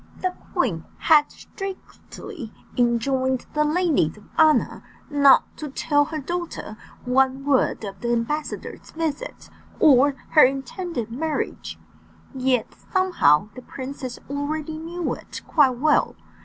The queen had strictly enjoined the ladies of honour not to tell her daughter one word of the ambassador's visit, or her intended marriage; yet somehow the princess already knew it quite well.